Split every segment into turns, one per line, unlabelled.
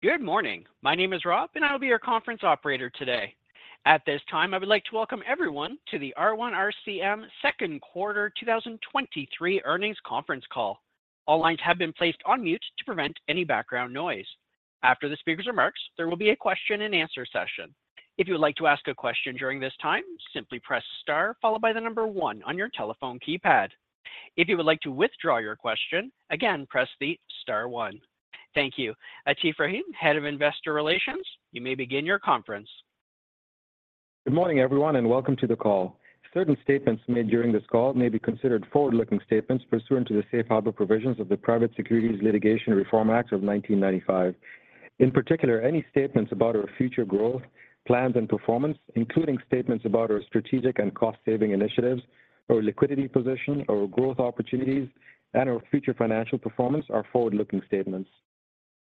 Good morning. My name is Rob, and I'll be your conference operator today. At this time, I would like to welcome everyone to the R1 RCM Second Quarter 2023 Earnings Conference Call. All lines have been placed on mute to prevent any background noise. After the speaker's remarks, there will be a and answer session. If you would like to ask a question during this time, simply press Star, followed by one on your telephone keypad. If you would like to withdraw your question, again, press the Star one. Thank you. Atif Rahim, Head of Investor Relations, you may begin your conference.
Good morning, everyone, and welcome to the call. Certain statements made during this call may be considered forward-looking statements pursuant to the safe harbor provisions of the Private Securities Litigation Reform Act of 1995. In particular, any statements about our future growth, plans, and performance, including statements about our strategic and cost-saving initiatives, our liquidity position, our growth opportunities, and our future financial performance are forward-looking statements.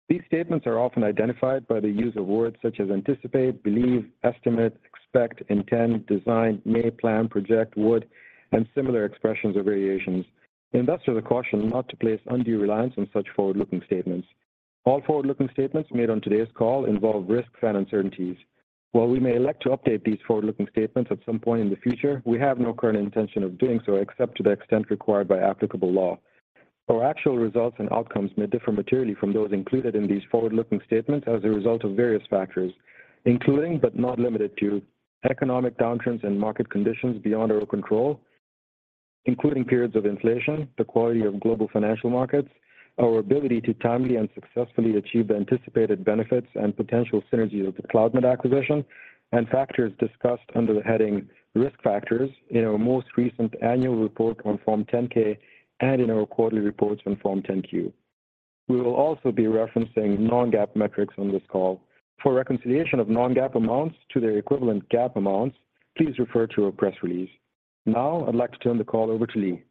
These statements are often identified by the use of words such as anticipate, believe, estimate, expect, intend, design, may plan, project, would, and similar expressions or variations. Investors are cautioned not to place undue reliance on such forward-looking statements. All forward-looking statements made on today's call involve risks and uncertainties. While we may elect to update these forward-looking statements at some point in the future, we have no current intention of doing so, except to the extent required by applicable law. Our actual results and outcomes may differ materially from those included in these forward-looking statements as a result of various factors, including, but not limited to economic downturns and market conditions beyond our control, including periods of inflation, the quality of global financial markets, our ability to timely and successfully achieve the anticipated benefits and potential synergies of the Cloudmed acquisition, and factors discussed under the heading Risk Factors in our most recent annual report on Form 10-K and in our quarterly reports on Form 10-Q. We will also be referencing non-GAAP metrics on this call. For reconciliation of non-GAAP amounts to their equivalent GAAP amounts, please refer to our press release. Now, I'd like to turn the call over to Lee.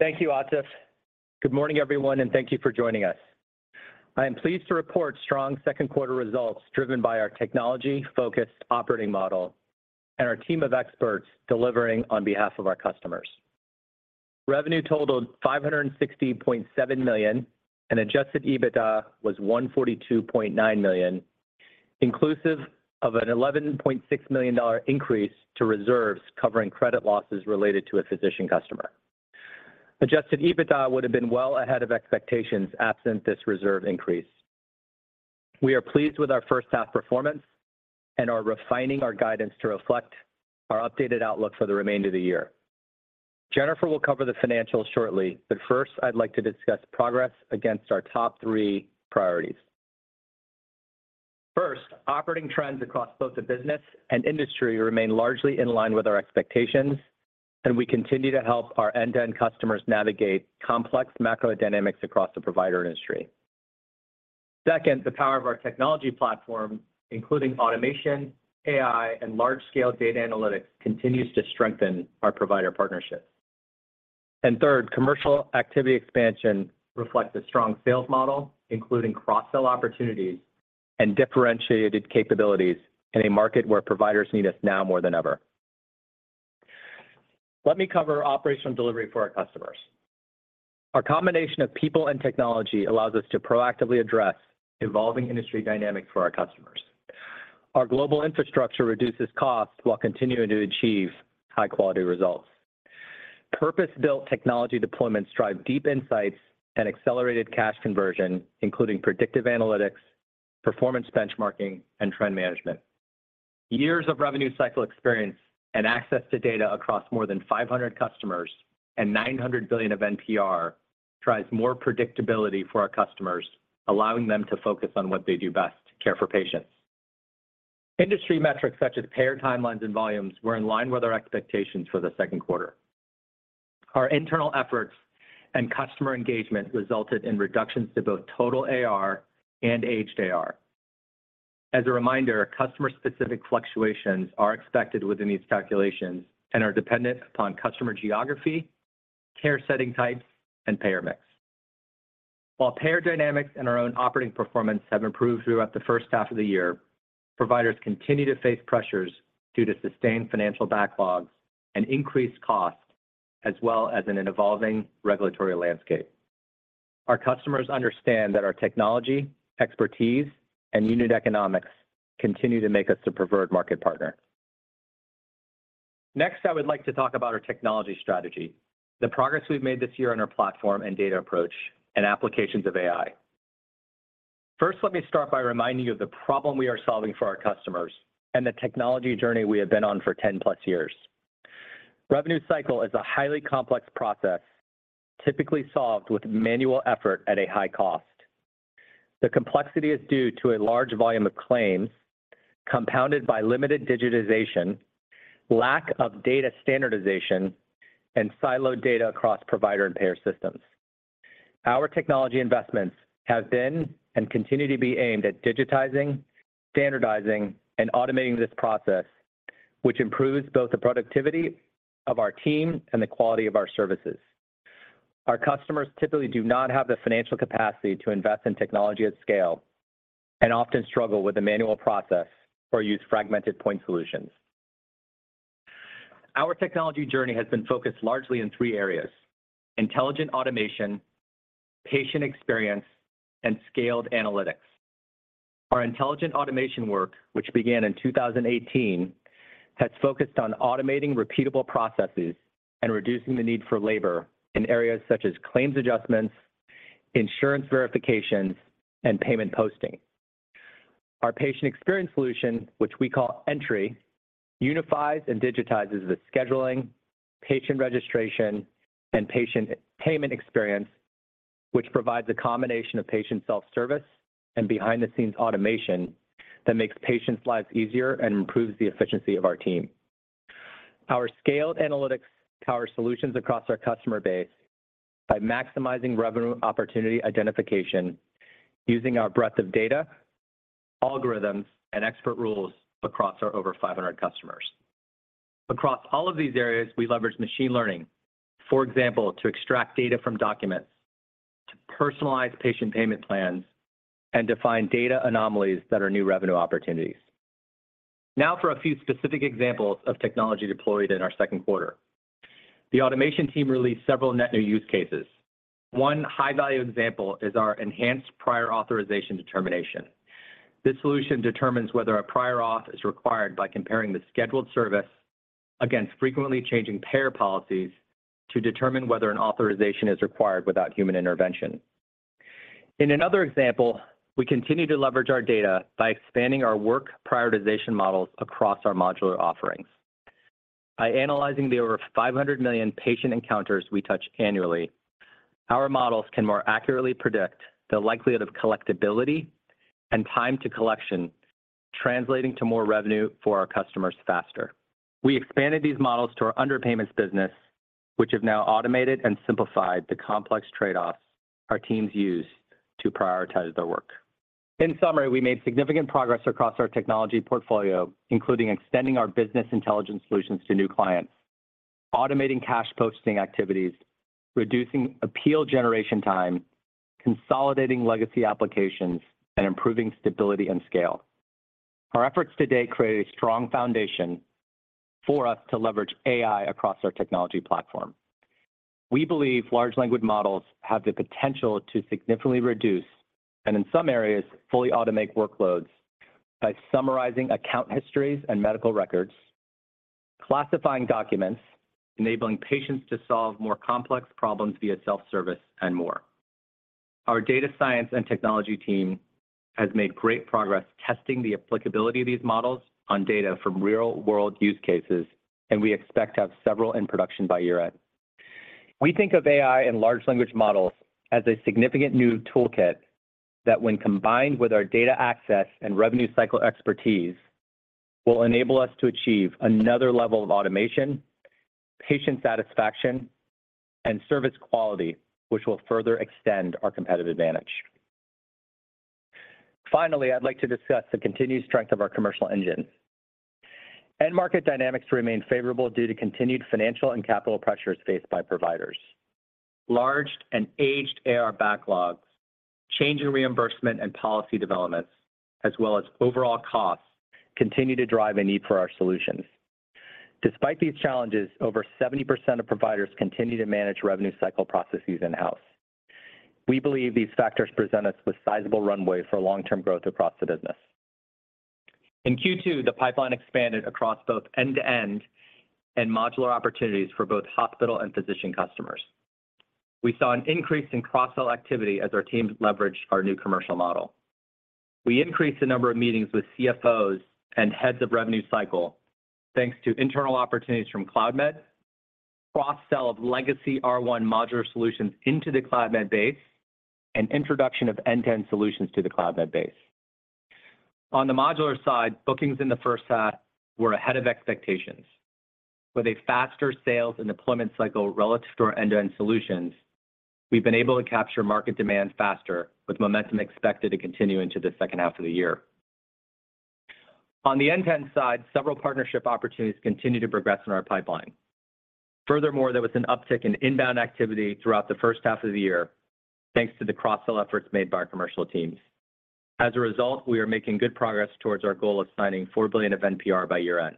Thank you, Atif. Good morning, everyone, thank you for joining us. I am pleased to report strong second quarter results, driven by our technology-focused operating model and our team of experts delivering on behalf of our customers. Revenue totaled $560.7 million, and Adjusted EBITDA was $142.9 million, inclusive of an $11.6 million increase to reserves covering credit losses related to a physician customer. Adjusted EBITDA would have been well ahead of expectations, absent this reserve increase. We are pleased with our first half performance and are refining our guidance to reflect our updated outlook for the remainder of the year. Jennifer will cover the financials shortly, first, I'd like to discuss progress against our top three priorities. First, operating trends across both the business and industry remain largely in line with our expectations, and we continue to help our end-to-end customers navigate complex macro dynamics across the provider industry. Second, the power of our technology platform, including automation, AI, and large-scale data analytics, continues to strengthen our provider partnerships. Third, commercial activity expansion reflects a strong sales model, including cross-sell opportunities and differentiated capabilities in a market where providers need us now more than ever. Let me cover operational delivery for our customers. Our combination of people and technology allows us to proactively address evolving industry dynamics for our customers. Our global infrastructure reduces costs while continuing to achieve high-quality results. Purpose-built technology deployments drive deep insights and accelerated cash conversion, including predictive analytics, performance benchmarking, and trend management. Years of revenue cycle experience and access to data across more than 500 customers and $900 billion of NPR drives more predictability for our customers, allowing them to focus on what they do best: care for patients. Industry metrics such as payer timelines and volumes were in line with our expectations for the second quarter. Our internal efforts and customer engagement resulted in reductions to both total AR and aged AR. As a reminder, customer-specific fluctuations are expected within these calculations and are dependent upon customer geography, care setting types, and payer mix. While payer dynamics and our own operating performance have improved throughout the first half of the year, providers continue to face pressures due to sustained financial backlogs and increased costs, as well as in an evolving regulatory landscape. Our customers understand that our technology, expertise, and unit economics continue to make us the preferred market partner. Next, I would like to talk about our technology strategy, the progress we've made this year on our platform and data approach, and applications of AI. First, let me start by reminding you of the problem we are solving for our customers and the technology journey we have been on for 10+ years. Revenue cycle is a highly complex process, typically solved with manual effort at a high cost. The complexity is due to a large volume of claims, compounded by limited digitization, lack of data standardization, and siloed data across provider and payer systems. Our technology investments have been and continue to be aimed at digitizing, standardizing, and automating this process, which improves both the productivity of our team and the quality of our services. Our customers typically do not have the financial capacity to invest in technology at scale and often struggle with the manual process or use fragmented point solutions. Our technology journey has been focused largely in three areas: intelligent automation, patient experience, and scaled analytics. Our intelligent automation work, which began in 2018, has focused on automating repeatable processes and reducing the need for labor in areas such as claims adjustments, insurance verifications, and payment posting. Our patient experience solution, which we call R1 Entri, unifies and digitizes the scheduling, patient registration, and patient payment experience, which provides a combination of patient self-service and behind-the-scenes automation that makes patients' lives easier and improves the efficiency of our team. Our scaled analytics power solutions across our customer base by maximizing revenue opportunity identification, using our breadth of data, algorithms, and expert rules across our over 500 customers. Across all of these areas, we leverage machine learning, for example, to extract data from documents, to personalize patient payment plans, and to find data anomalies that are new revenue opportunities. For a few specific examples of technology deployed in our second quarter. The automation team released several net new use cases. One high-value example is our enhanced prior authorization determination. This solution determines whether a prior auth is required by comparing the scheduled service against frequently changing payer policies to determine whether an authorization is required without human intervention. In another example, we continue to leverage our data by expanding our work prioritization models across our modular offerings. By analyzing the over 500 million patient encounters we touch annually, our models can more accurately predict the likelihood of collectibility and time to collection, translating to more revenue for our customers faster. We expanded these models to our underpayments business, which have now automated and simplified the complex trade-offs our teams use to prioritize their work. In summary, we made significant progress across our technology portfolio, including extending our business intelligence solutions to new clients, automating cash posting activities, reducing appeal generation time, consolidating legacy applications, and improving stability and scale. Our efforts to date create a strong foundation for us to leverage AI across our technology platform. We believe large language models have the potential to significantly reduce, and in some areas, fully automate workloads by summarizing account histories and medical records, classifying documents, enabling patients to solve more complex problems via self-service, and more. Our data science and technology team has made great progress testing the applicability of these models on data from real-world use cases, and we expect to have several in production by year-end. We think of AI and large language models as a significant new toolkit that when combined with our data access and revenue cycle expertise, will enable us to achieve another level of automation, patient satisfaction, and service quality, which will further extend our competitive advantage. Finally, I'd like to discuss the continued strength of our commercial engine. End market dynamics remain favorable due to continued financial and capital pressures faced by providers. Large and aged AR backlogs, change in reimbursement and policy developments, as well as overall costs, continue to drive a need for our solutions. Despite these challenges, over 70% of providers continue to manage revenue cycle processes in-house. We believe these factors present us with sizable runway for long-term growth across the business. In Q2, the pipeline expanded across both end-to-end and modular opportunities for both hospital and physician customers. We saw an increase in cross-sell activity as our teams leveraged our new commercial model. We increased the number of meetings with CFOs and heads of revenue cycle, thanks to internal opportunities from Cloudmed, cross-sell of legacy R1 modular solutions into the Cloudmed base, and introduction of end-to-end solutions to the Cloudmed base. On the modular side, bookings in the first half were ahead of expectations. With a faster sales and deployment cycle relative to our end-to-end solutions, we've been able to capture market demand faster, with momentum expected to continue into the second half of the year. On the end-to-end side, several partnership opportunities continue to progress in our pipeline. Furthermore, there was an uptick in inbound activity throughout the first half of the year, thanks to the cross-sell efforts made by our commercial teams. As a result, we are making good progress towards our goal of signing $4 billion of NPR by year-end.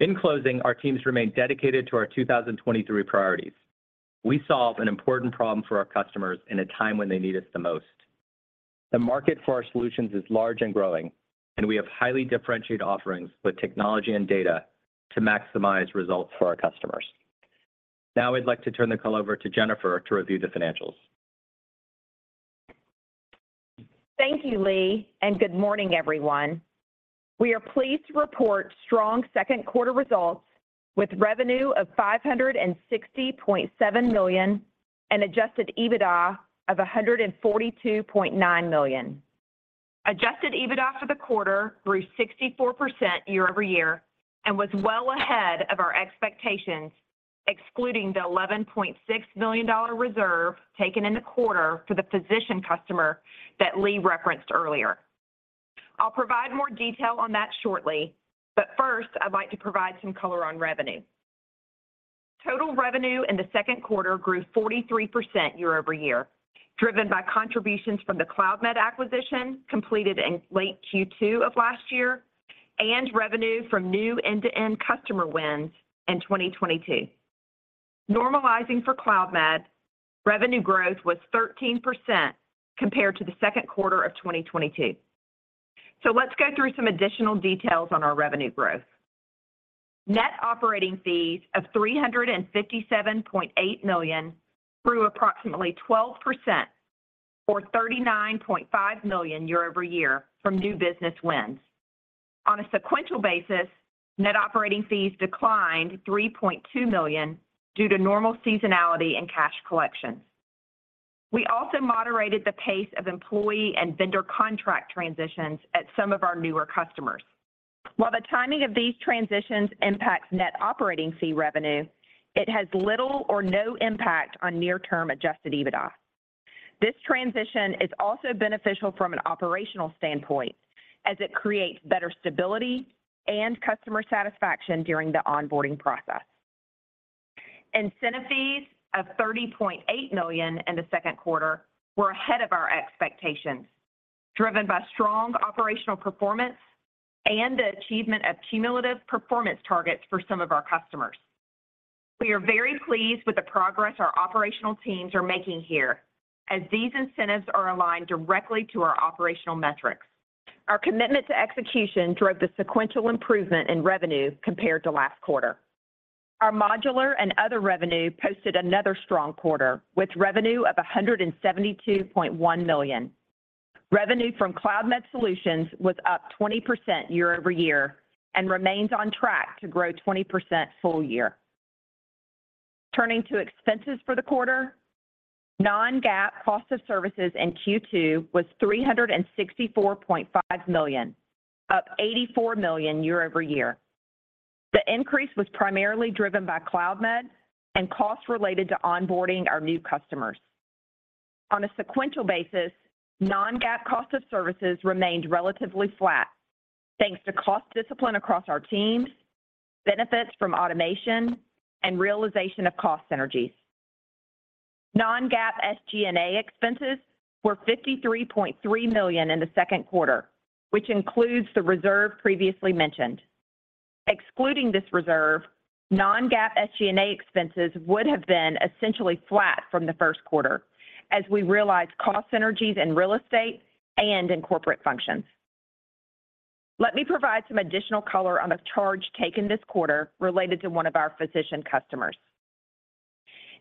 In closing, our teams remain dedicated to our 2023 priorities. We solve an important problem for our customers in a time when they need us the most. The market for our solutions is large and growing, and we have highly differentiated offerings with technology and data to maximize results for our customers. Now, I'd like to turn the call over to Jennifer to review the financials.
Thank you, Lee. Good morning, everyone. We are pleased to report strong second quarter results with revenue of $560.7 million and Adjusted EBITDA of $142.9 million. Adjusted EBITDA for the quarter grew 64% year-over-year and was well ahead of our expectations, excluding the $11.6 million reserve taken in the quarter for the physician customer that Lee referenced earlier. I'll provide more detail on that shortly, but first, I'd like to provide some color on revenue. Total revenue in the second quarter grew 43% year-over-year, driven by contributions from the Cloudmed acquisition, completed in late Q2 of last year, and revenue from new end-to-end customer wins in 2022. Normalizing for Cloudmed, revenue growth was 13% compared to the second quarter of 2022. Let's go through some additional details on our revenue growth. Net operating fees of $357.8 million grew approximately 12% or $39.5 million year-over-year from new business wins. On a sequential basis, net operating fees declined $3.2 million due to normal seasonality and cash collection. We also moderated the pace of employee and vendor contract transitions at some of our newer customers. While the timing of these transitions impacts net operating fee revenue, it has little or no impact on near-term Adjusted EBITDA. This transition is also beneficial from an operational standpoint as it creates better stability and customer satisfaction during the onboarding process. Incentive fees of $30.8 million in the second quarter were ahead of our expectations, driven by strong operational performance and the achievement of cumulative performance targets for some of our customers. We are very pleased with the progress our operational teams are making here, as these incentives are aligned directly to our operational metrics. Our commitment to execution drove the sequential improvement in revenue compared to last quarter. Our modular and other revenue posted another strong quarter, with revenue of $172.1 million. Revenue from Cloudmed Solutions was up 20% year-over-year and remains on track to grow 20% full year. Turning to expenses for the quarter, non-GAAP cost of services in Q2 was $364.5 million, up $84 million year-over-year. The increase was primarily driven by Cloudmed and costs related to onboarding our new customers. On a sequential basis, non-GAAP cost of services remained relatively flat, thanks to cost discipline across our teams, benefits from automation, and realization of cost synergies. Non-GAAP SG&A expenses were $53.3 million in the second quarter, which includes the reserve previously mentioned. Excluding this reserve, non-GAAP SG&A expenses would have been essentially flat from the first quarter as we realized cost synergies in real estate and in corporate functions. Let me provide some additional color on the charge taken this quarter related to one of our physician customers.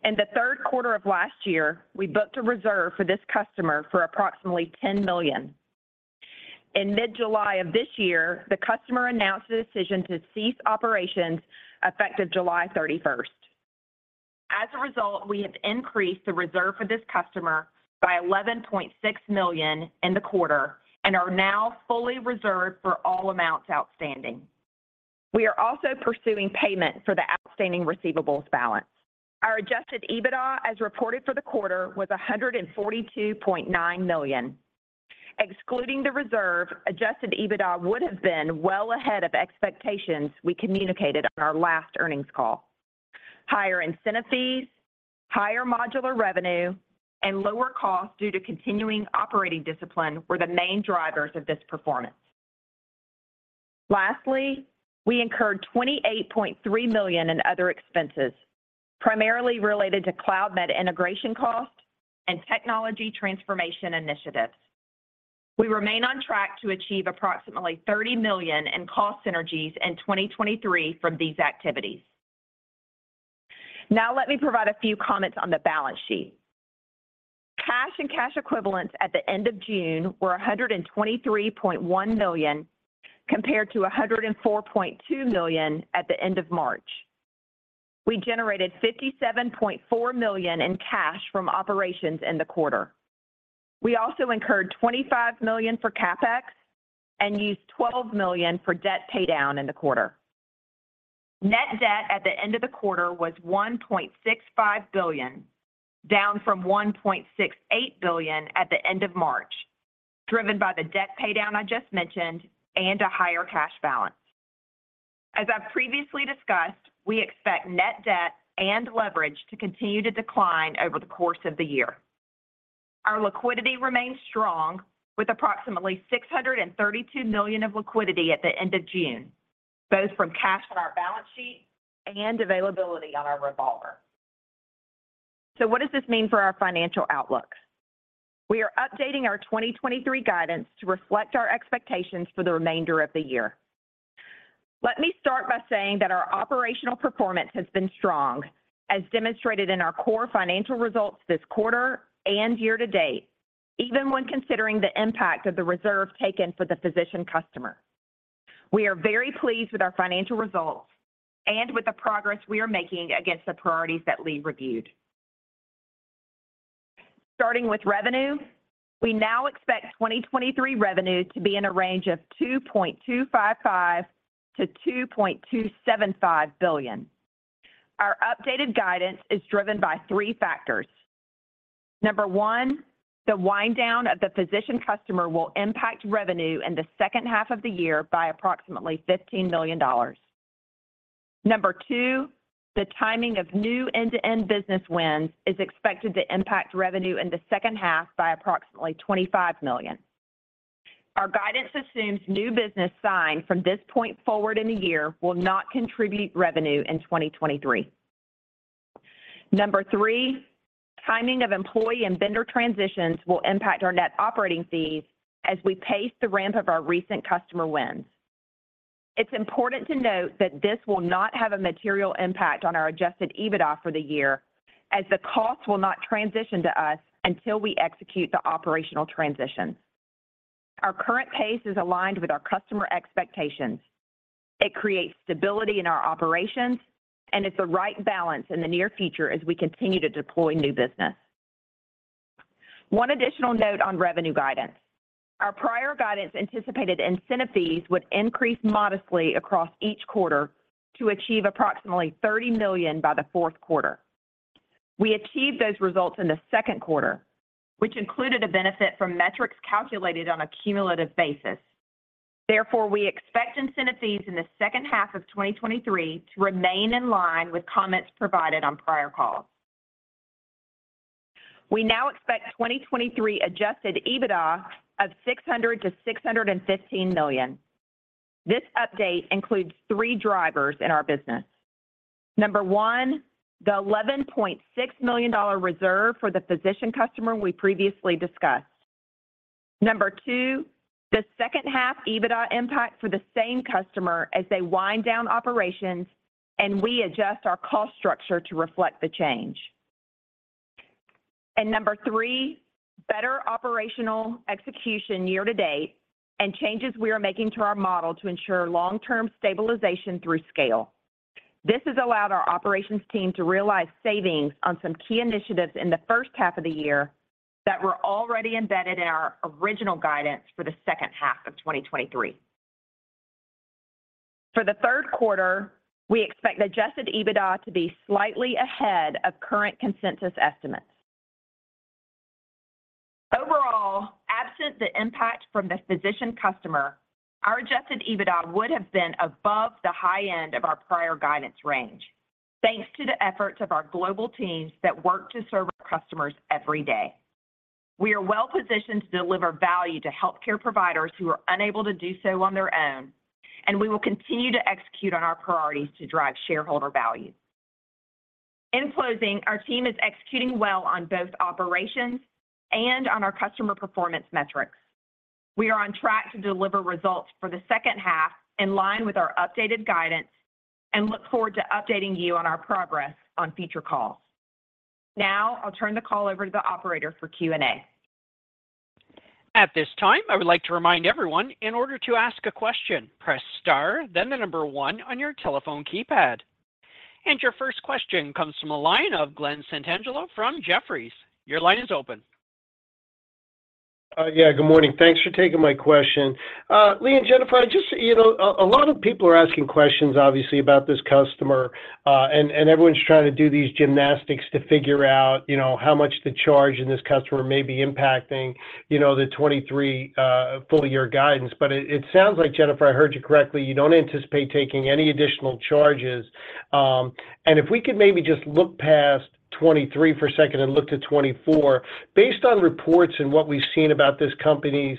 In the third quarter of last year, we booked a reserve for this customer for approximately $10 million. In mid-July of this year, the customer announced a decision to cease operations effective July 31st. As a result, we have increased the reserve for this customer by $11.6 million in the quarter and are now fully reserved for all amounts outstanding. We are also pursuing payment for the outstanding receivables balance. Our Adjusted EBITDA, as reported for the quarter, was $142.9 million. Excluding the reserve, Adjusted EBITDA would have been well ahead of expectations we communicated on our last earnings call. Higher incentive fees, higher modular revenue, and lower costs due to continuing operating discipline were the main drivers of this performance. Lastly, we incurred $28.3 million in other expenses, primarily related to Cloudmed integration costs and technology transformation initiatives. We remain on track to achieve approximately $30 million in cost synergies in 2023 from these activities. Now, let me provide a few comments on the balance sheet. Cash and cash equivalents at the end of June were $123.1 million, compared to $104.2 million at the end of March. We generated $57.4 million in cash from operations in the quarter. We also incurred $25 million for CapEx and used $12 million for debt paydown in the quarter. Net debt at the end of the quarter was $1.65 billion, down from $1.68 billion at the end of March, driven by the debt paydown I just mentioned and a higher cash balance. As I've previously discussed, we expect net debt and leverage to continue to decline over the course of the year. Our liquidity remains strong, with approximately $632 million of liquidity at the end of June, both from cash on our balance sheet and availability on our revolver. What does this mean for our financial outlook? We are updating our 2023 guidance to reflect our expectations for the remainder of the year. Let me start by saying that our operational performance has been strong, as demonstrated in our core financial results this quarter and year to date, even when considering the impact of the reserve taken for the physician customer. We are very pleased with our financial results and with the progress we are making against the priorities that Lee reviewed. Starting with revenue, we now expect 2023 revenue to be in a range of $2.255 billion-$2.275 billion. Our updated guidance is driven by three factors. Number one, the wind down of the physician customer will impact revenue in the second half of the year by approximately $15 million. Number two, the timing of new end-to-end business wins is expected to impact revenue in the second half by approximately $25 million. Our guidance assumes new business signed from this point forward in the year will not contribute revenue in 2023. Number 3, timing of employee and vendor transitions will impact our net operating fees as we pace the ramp of our recent customer wins. It's important to note that this will not have a material impact on our Adjusted EBITDA for the year, as the costs will not transition to us until we execute the operational transition. Our current pace is aligned with our customer expectations. It creates stability in our operations, and it's the right balance in the near future as we continue to deploy new business. One additional note on revenue guidance. Our prior guidance anticipated incentive fees would increase modestly across each quarter to achieve approximately $30 million by the fourth quarter. We achieved those results in the second quarter, which included a benefit from metrics calculated on a cumulative basis. We expect incentive fees in the second half of 2023 to remain in line with comments provided on prior calls. We now expect 2023 Adjusted EBITDA of $600 million-$615 million. This update includes three drivers in our business. Number one, the $11.6 million reserve for the physician customer we previously discussed. Number two, the second half EBITDA impact for the same customer as they wind down operations, and we adjust our cost structure to reflect the change. Number three, better operational execution year to date and changes we are making to our model to ensure long-term stabilization through scale. This has allowed our operations team to realize savings on some key initiatives in the first half of the year that were already embedded in our original guidance for the second half of 2023. For the third quarter, we expect Adjusted EBITDA to be slightly ahead of current consensus estimates. Overall, absent the impact from the physician customer, our Adjusted EBITDA would have been above the high end of our prior guidance range, thanks to the efforts of our global teams that work to serve our customers every day. We are well positioned to deliver value to healthcare providers who are unable to do so on their own, and we will continue to execute on our priorities to drive shareholder value. In closing, our team is executing well on both operations and on our customer performance metrics. We are on track to deliver results for the second half, in line with our updated guidance, and look forward to updating you on our progress on future calls. Now, I'll turn the call over to the operator for Q&A.
At this time, I would like to remind everyone, in order to ask a question, press star, then the 1 on your telephone keypad. Your first question comes from the line of Glen Santangelo from Jefferies. Your line is open.
Yeah, good morning. Thanks for taking my question. Lee and Jennifer, just, you know, a lot of people are asking questions, obviously, about this customer, and everyone's trying to do these gymnastics to figure out, you know, how much the charge in this customer may be impacting, you know, the 2023 full year guidance. It sounds like, Jennifer, I heard you correctly, you don't anticipate taking any additional charges. If we could maybe just look past 2023 for a second and look to 2024. Based on reports and what we've seen about this company's,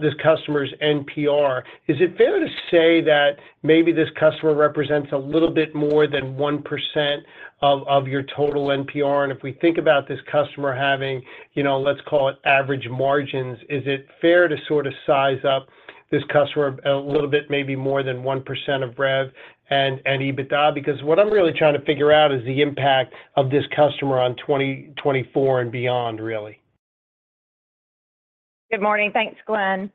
this customer's NPR, is it fair to say that maybe this customer represents a little bit more than 1% of your total NPR? If we think about this customer having, you know, let's call it average margins, is it fair to sort of size up this customer a little bit, maybe more than 1% of rev and EBITDA? Because what I'm really trying to figure out is the impact of this customer on 2024 and beyond, really.
Good morning. Thanks, Glen.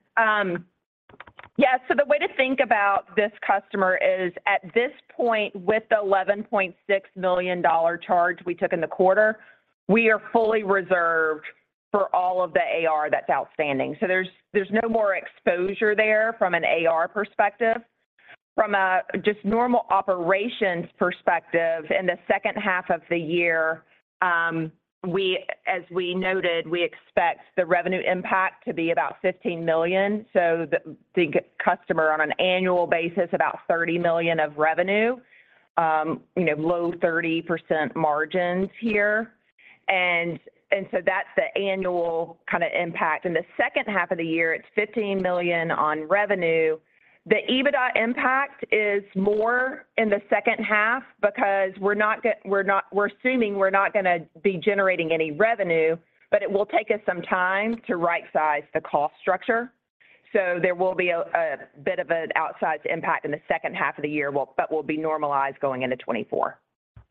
Yeah, so the way to think about this customer is, at this point, with the $11.6 million charge we took in the quarter, we are fully reserved for all of the AR that's outstanding. There's, there's no more exposure there from an AR perspective. From a just normal operations perspective, in the second half of the year, as we noted, we expect the revenue impact to be about $15 million, so the, the customer on an annual basis, about $30 million of revenue, you know, low 30% margins here. That's the annual kind of impact. In the second half of the year, it's $15 million on revenue. The EBITDA impact is more in the second half because we're not go. we're assuming we're not gonna be generating any revenue, but it will take us some time to rightsize the cost structure. There will be a bit of an outsized impact in the second half of the year, but will be normalized going into 2024.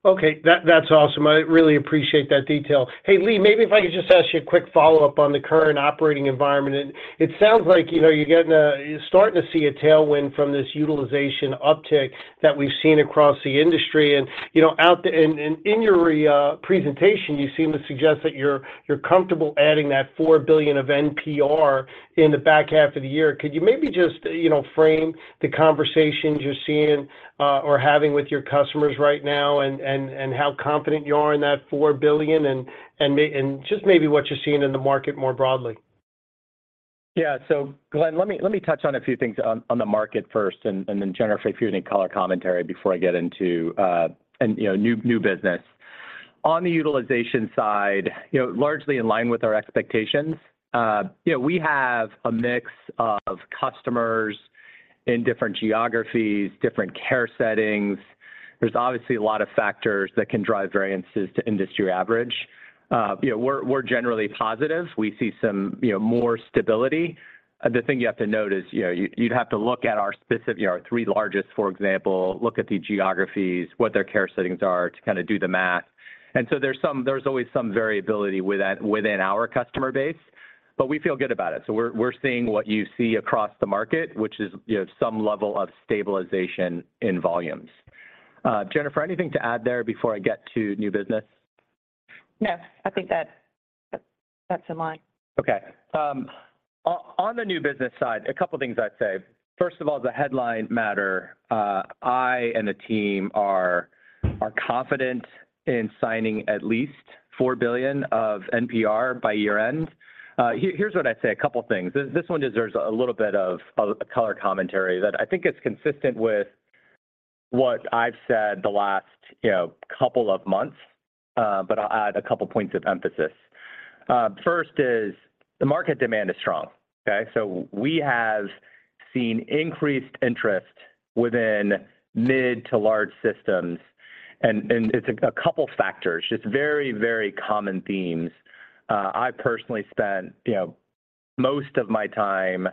Okay. That, that's awesome. I really appreciate that detail. Hey, Lee, maybe if I could just ask you a quick follow-up on the current operating environment. It, it sounds like, you know, you're getting a you're starting to see a tailwind from this utilization uptick that we've seen across the industry. You know, out the and, and in your presentation, you seem to suggest that you're, you're comfortable adding that $4 billion of NPR in the back half of the year. Could you maybe just, you know, frame the conversations you're seeing or having with your customers right now and, and, and how confident you are in that $4 billion and, and may and just maybe what you're seeing in the market more broadly?
Glen, let me, let me touch on a few things on, on the market first and, and then, Jennifer, if you have any color commentary before I get into, and, you know, new, new business. On the utilization side, you know, largely in line with our expectations. You know, we have a mix of customers in different geographies, different care settings. There's obviously a lot of factors that can drive variances to industry average. You know, we're, we're generally positive. We see some, you know, more stability. The thing you have to note is, you know, you'd have to look at our specific, our three largest, for example, look at the geographies, what their care settings are, to kind of do the math. So there's always some variability with that, within our customer base, but we feel good about it. We're, we're seeing what you see across the market, which is, you know, some level of stabilization in volumes. Jennifer, anything to add there before I get to new business?
No, I think that's, that's in line.
On, on the new business side, a couple of things I'd say. First of all, the headline matter, I and the team are confident in signing at least $4 billion of NPR by year-end. Here's what I'd say, a couple of things. This one deserves a little bit of color commentary that I think it's consistent with what I've said the last, you know, couple of months, but I'll add a couple of points of emphasis. First is, the market demand is strong, okay? We have seen increased interest within mid to large systems, and it's a couple factors, just very, very common themes. I personally spent, you know, most of my time,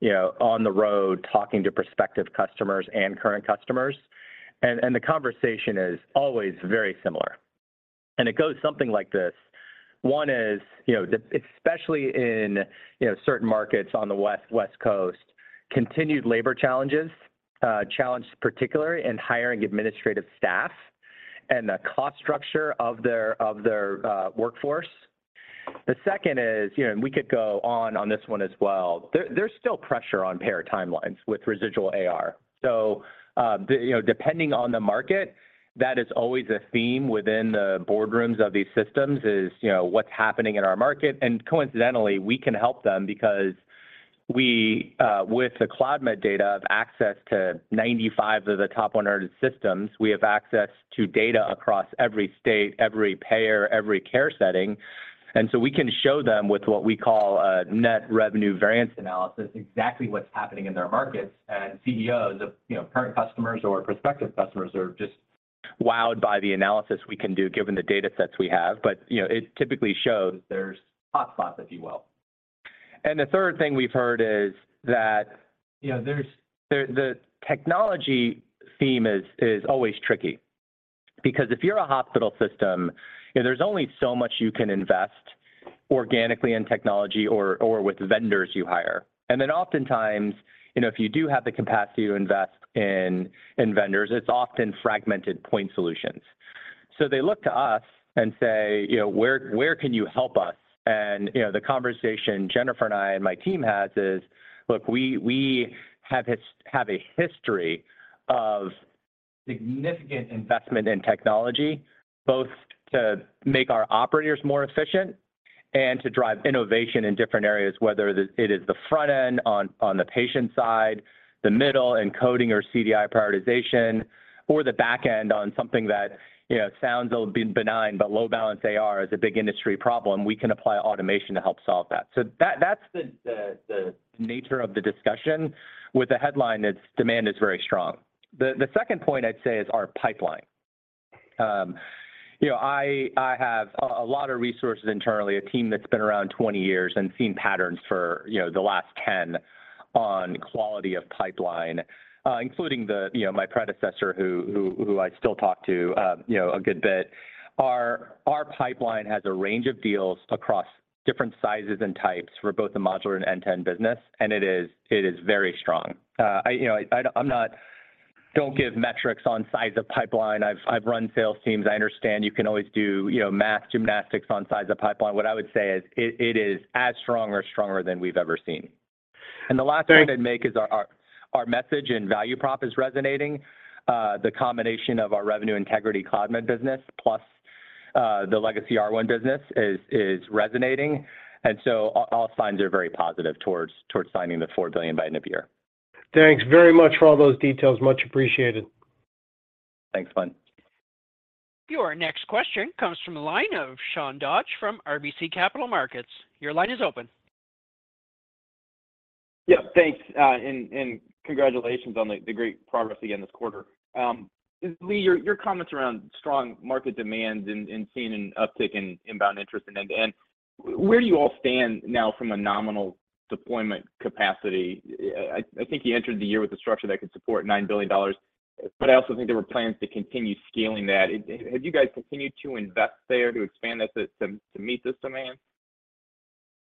you know, on the road talking to prospective customers and current customers, and the conversation is always very similar, and it goes something like this: One is, you know, especially in, you know, certain markets on the West Coast, continued labor challenges, challenged particularly in hiring administrative staff and the cost structure of their, of their, workforce. The second is, you know, and we could go on, on this one as well. There, there's still pressure on payer timelines with residual AR. Depending on the market, that is always a theme within the boardrooms of these systems is, you know, what's happening in our market, and coincidentally, we can help them because we, with the Cloudmed data have access to 95 of the top 100 systems. We have access to data across every state, every payer, every care setting, we can show them with what we call a net revenue variance analysis, exactly what's happening in their markets. CEOs of, you know, current customers or prospective customers are just wowed by the analysis we can do, given the datasets we have. You know, it typically shows there's hot spots, if you will. The third thing we've heard is that, you know, the, the technology theme is, is always tricky because if you're a hospital system, you know, there's only so much you can invest organically in technology or, or with vendors you hire. Oftentimes, you know, if you do have the capacity to invest in, in vendors, it's often fragmented point solutions. They look to us and say, "You know, where, where can you help us?" You know, the conversation Jennifer and I and my team has is, look, we have a history of significant investment in technology, both to make our operators more efficient and to drive innovation in different areas, whether it is the front end on, on the patient side, the middle, encoding or CDI prioritization, or the back end on something that, you know, sounds a little bit benign, but low balance AR is a big industry problem. We can apply automation to help solve that. That's the nature of the discussion with the headline that demand is very strong. The second point I'd say is our pipeline. You know, I, I have a lot of resources internally, a team that's been around 20 years and seen patterns for, you know, the last 10 on quality of pipeline, including the, you know, my predecessor, who, who, who I still talk to, you know, a good bit. Our, our pipeline has a range of deals across different sizes and types for both the modular and end-to-end business, and it is, it is very strong. I, you know, I, I don't give metrics on size of pipeline. I've, I've run sales teams. I understand you can always do, you know, math, gymnastics on size of pipeline. What I would say is, it, it is as strong or stronger than we've ever seen. The last point I'd make is our, our, our message and value prop is resonating. The combination of our revenue integrity Cloudmed business, plus, the legacy R1 business is, is resonating, and all, all signs are very positive towards, towards signing the $4 billion by end of year.
Thanks very much for all those details. Much appreciated.
Thanks, Glen.
Your next question comes from the line of Sean Dodge from RBC Capital Markets. Your line is open.
Yeah, thanks, and congratulations on the great progress again this quarter. Lee, your comments around strong market demand and seeing an uptick in inbound interest, and where do you all stand now from a nominal deployment capacity? I think you entered the year with a structure that could support $9 billion, but I also think there were plans to continue scaling that. Have you guys continued to invest there to expand that to meet this demand?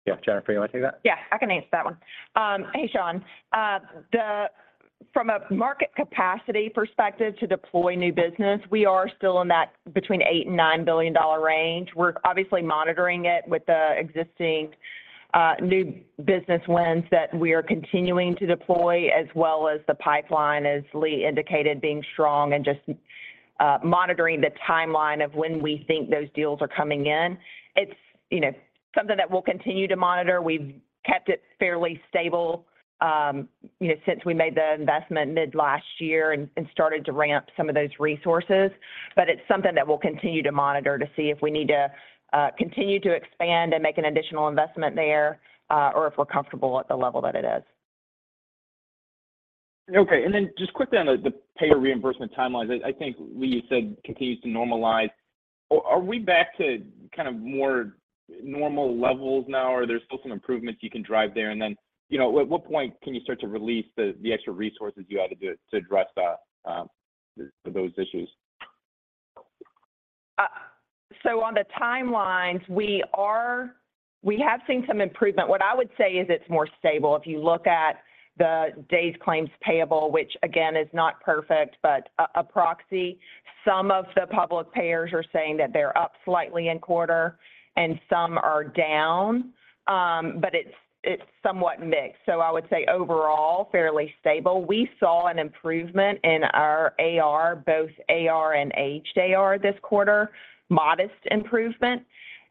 Yeah, Jennifer, you want to take that?
Yeah, I can answer that one. Hey, Sean. From a market capacity perspective to deploy new business, we are still in that between $8 billion and $9 billion range. We're obviously monitoring it with the existing new business wins that we are continuing to deploy, as well as the pipeline, as Lee indicated, being strong and monitoring the timeline of when we think those deals are coming in. It's, you know, something that we'll continue to monitor. We've kept it fairly stable, you know, since we made the investment mid-last year and, and started to ramp some of those resources. It's something that we'll continue to monitor to see if we need to continue to expand and make an additional investment there, or if we're comfortable at the level that it is.
Okay. Then just quickly on the, the payer reimbursement timelines, I, I think Lee, you said continues to normalize. Are, are we back to kind of more normal levels now, or there's still some improvements you can drive there? Then, you know, at what point can you start to release the, the extra resources you had to do to address those issues?
On the timelines, we have seen some improvement. What I would say is it's more stable. If you look at the days claims payable, which again, is not perfect, but a proxy, some of the public payers are saying that they're up slightly in quarter and some are down. It's, it's somewhat mixed. I would say overall, fairly stable. We saw an improvement in our AR, both AR and Aged AR, this quarter, modest improvement,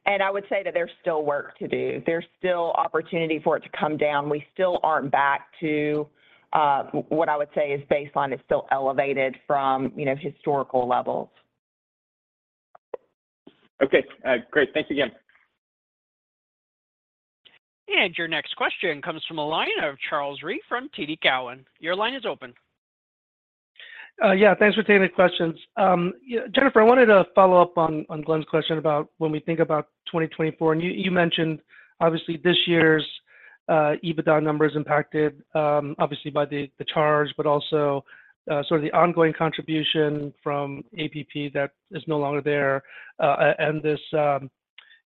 and I would say that there's still work to do. There's still opportunity for it to come down. We still aren't back to what I would say is baseline, is still elevated from, you know, historical levels.
Okay, great. Thanks again.
Your next question comes from the line of Charles Rhyee from TD Cowen. Your line is open.
Yeah, thanks for taking the questions. Yeah, Jennifer, I wanted to follow up on, on Glen's question about when we think about 2024, and you, you mentioned obviously, this year's EBITDA number is impacted, obviously by the, the charge, but also sort of the ongoing contribution from APP that is no longer there, and this,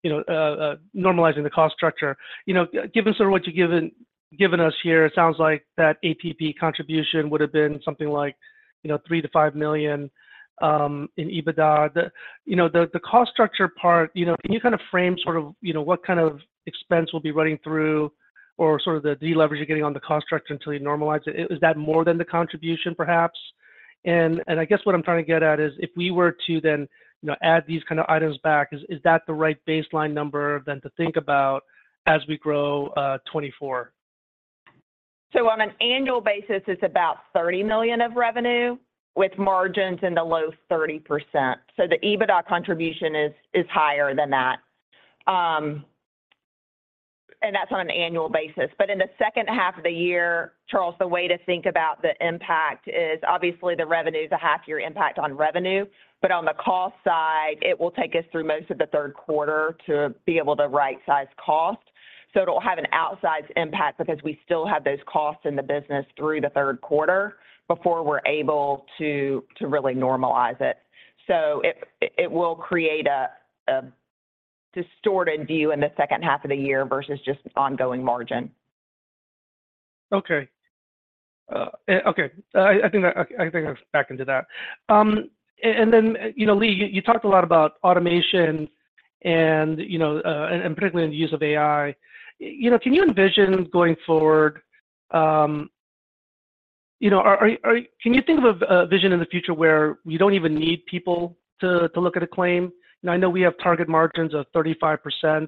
you know, normalizing the cost structure. You know, given sort of what you've given, given us here, it sounds like that APP contribution would have been something like, you know, $3 million-$5 million in EBITDA. The, you know, the, the cost structure part, you know, can you kind of frame sort of, you know, what kind of expense we'll be running through or sort of the deleverage you're getting on the cost structure until you normalize it? Is that more than the contribution, perhaps? And I guess what I'm trying to get at is, if we were to then, you know, add these kind of items back, is, is that the right baseline number then to think about as we grow, 2024?
On an annual basis, it's about $30 million of revenue with margins in the low 30%. The EBITDA contribution is higher than that. That's on an annual basis, but in the second half of the year, Charles, the way to think about the impact is obviously the revenue is a half-year impact on revenue, but on the cost side, it will take us through most of the third quarter to be able to rightsize cost. It'll have an outsized impact because we still have those costs in the business through the third quarter before we're able to really normalize it. It will create a distorted view in the second half of the year versus just ongoing margin.
Okay. Okay, I, I think I, I think I'm back into that. You know, Lee, you talked a lot about automation and, you know, and particularly in the use of AI. You know, can you envision going forward, you know, are, are, can you think of a, a vision in the future where you don't even need people to, to look at a claim? Now, I know we have target margins of 35%.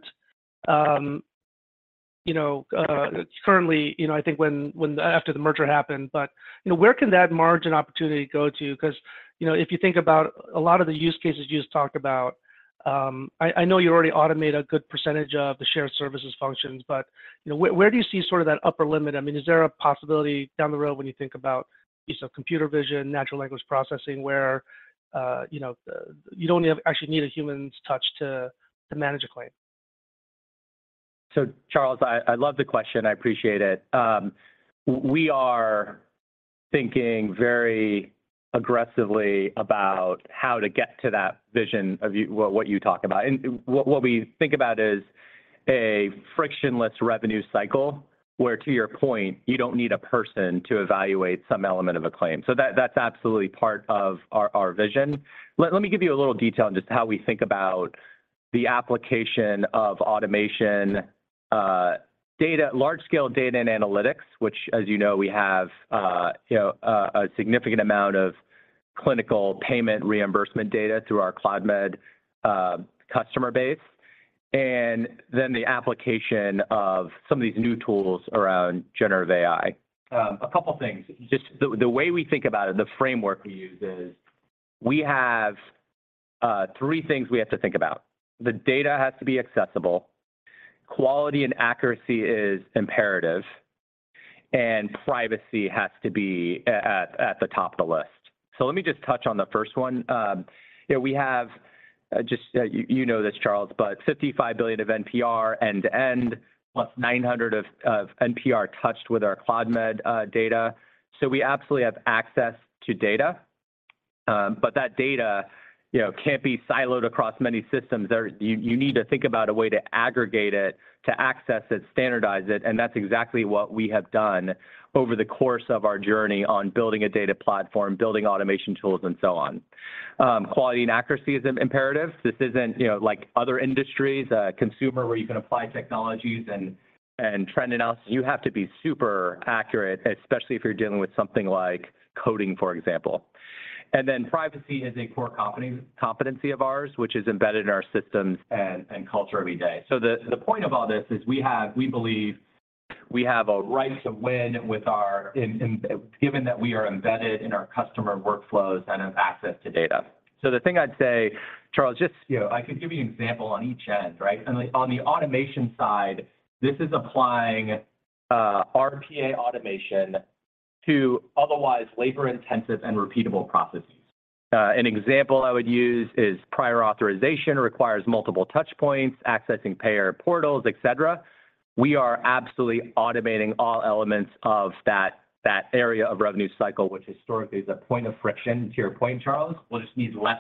You know, it's currently, you know, I think when, when after the merger happened, but, you know, where can that margin opportunity go to? Because, you know, if you think about a lot of the use cases you just talked about, I, I know you already automate a good percentage of the shared services functions, but, you know, where, where do you see sort of that upper limit? I mean, is there a possibility down the road when you think about use of computer vision, natural language processing, where, you know, you don't actually need a human's touch to, to manage a claim?
Charles, I, I love the question. I appreciate it. We are thinking very aggressively about how to get to that vision of what, what you talk about. What, what we think about is a frictionless revenue cycle, where, to your point, you don't need a person to evaluate some element of a claim. That, that's absolutely part of our, our vision. Let, let me give you a little detail on just how we think about the application of automation, data, large scale data and analytics, which, as you know, we have a significant amount of clinical payment reimbursement data through our Cloudmed customer base, and then the application of some of these new tools around generative AI. A couple of things, just the way we think about it, the framework we use is we have three things we have to think about. The data has to be accessible, quality and accuracy is imperative, and privacy has to be at, at the top of the list. Let me just touch on the first one. You know, we have, just, you know this, Charles, but $55 billion of NPR end-to-end, plus 900 of NPR touched with our Cloudmed data. We absolutely have access to data, but that data, you know, can't be siloed across many systems. You, you need to think about a way to aggregate it, to access it, standardize it, and that's exactly what we have done over the course of our journey on building a data platform, building automation tools, and so on. Quality and accuracy is imperative. This isn't, you know, like other industries, consumer, where you can apply technologies and, and trend analysis. You have to be super accurate, especially if you're dealing with something like coding, for example. Privacy is a core competency, competency of ours, which is embedded in our systems and, and culture every day. The, the point of all this is we have, we believe we have a right to win with our in, in, given that we are embedded in our customer workflows and have access to data. The thing I'd say, Charles, just, you know, I can give you an example on each end, right? Like on the automation side, this is applying RPA automation to otherwise labor-intensive and repeatable processes. An example I would use is prior authorization requires multiple touch points, accessing payer portals, et cetera. We are absolutely automating all elements of that, that area of revenue cycle, which historically is a point of friction, to your point, Charles. Well, it just needs less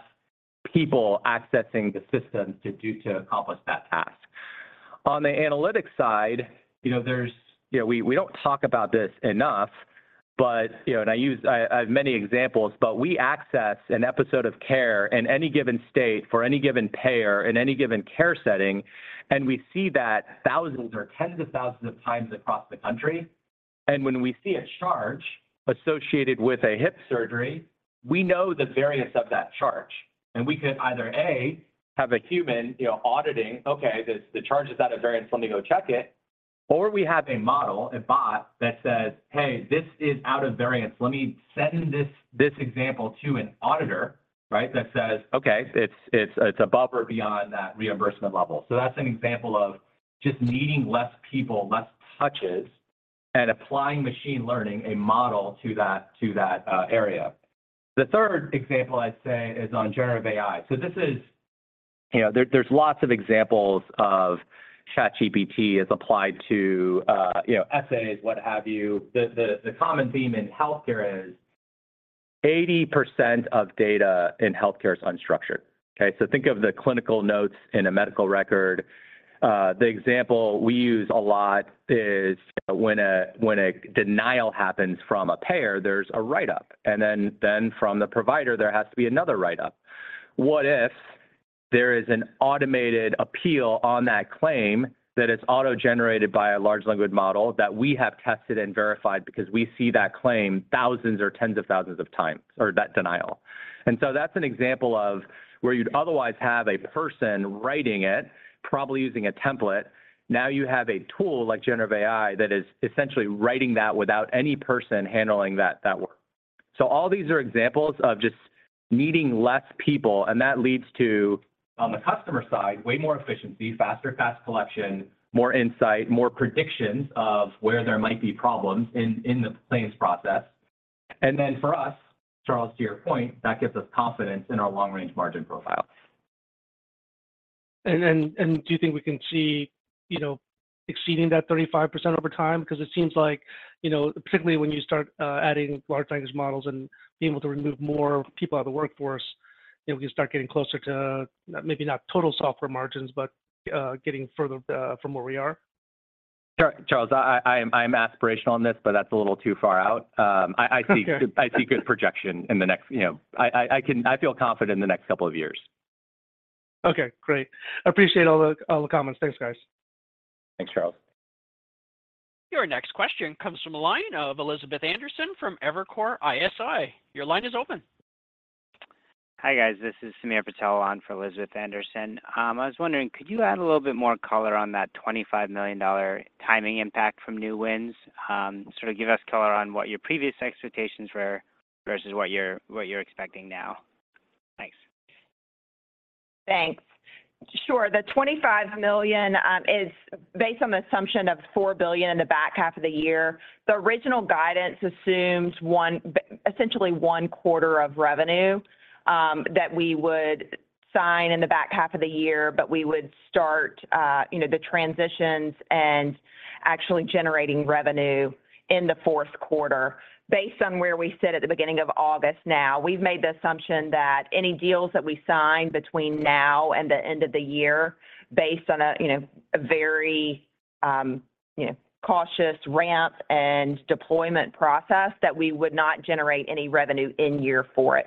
people accessing the system to do, to accomplish that task. On the analytics side, you know, you know, we, we don't talk about this enough, but, you know, and I use, I, I have many examples, but we access an episode of care in any given state for any given payer in any given care setting, and we see that thousands or tens of thousands of times across the country. When we see a charge associated with a hip surgery, we know the variance of that charge, and we could either, A, have a human, you know, auditing, "Okay, this, the charge is out of variance. Let me go check it." Or we have a model, a bot, that says, "Hey, this is out of variance. Let me send this, this example to an auditor," right? That says, "Okay, it's, it's, it's above or beyond that reimbursement level." That's an example of just needing less people, less touches, and applying machine learning, a model, to that, to that area. The third example I'd say is on generative AI. This is, you know, there, there's lots of examples of ChatGPT as applied to, you know, essays, what have you. The common theme in healthcare is 80% of data in healthcare is unstructured, okay? Think of the clinical notes in a medical record. The example we use a lot is when a, when a denial happens from a payer, there's a write-up, and then, then from the provider, there has to be another write-up. What if there is an automated appeal on that claim that is auto-generated by a large language model that we have tested and verified because we see that claim thousands or tens of thousands of times, or that denial? So that's an example of where you'd otherwise have a person writing it, probably using a template. Now, you have a tool like generative AI that is essentially writing that without any person handling that, that work. All these are examples of just needing less people, and that leads to, on the customer side, way more efficiency, faster fast collection, more insight, more predictions of where there might be problems in, in the claims process. Then for us, Charles, to your point, that gives us confidence in our long-range margin profile.
Do you think we can see, you know, exceeding that 35% over time? Because it seems like, you know, particularly when you start, adding large language models and being able to remove more people out of the workforce, you know, we can start getting closer to maybe not total software margins, but, getting further, from where we are.
Sure, Charles, I am, I am aspirational on this, but that's a little too far out. I see good projection in the next, you know, I feel confident in the next couple of years.
Okay, great. I appreciate all the, all the comments. Thanks, guys.
Thanks, Charles.
Your next question comes from the line of Elizabeth Anderson from Evercore ISI. Your line is open.
Hi, guys. This is Sameer Patel on for Elizabeth Anderson. I was wondering, could you add a little bit more color on that $25 million timing impact from new wins? sort of give us color on what your previous expectations were versus what you're, what you're expecting now. Thanks.
Thanks. Sure. The $25 million is based on the assumption of $4 billion in the back half of the year. The original guidance assumes 1 quarter of revenue, that we would sign in the back half of the year, but we would start, you know, the transitions and actually generating revenue in the fourth quarter. Based on where we sit at the beginning of August now, we've made the assumption that any deals that we sign between now and the end of the year, based on a, you know, a very, you know, cautious ramp and deployment process, that we would not generate any revenue in year for it.